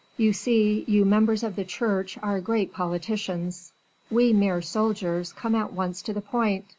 "You see, you members of the Church are great politicians; we mere soldiers come at once to the point.